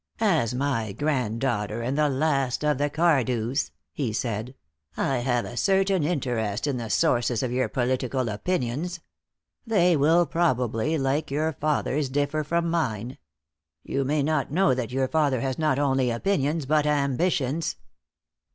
"As my granddaughter, and the last of the Cardews," he said, "I have a certain interest in the sources of your political opinions. They will probably, like your father's, differ from mine. You may not know that your father has not only opinions, but ambitions."